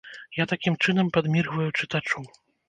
Я такім чынам падміргваю чытачу.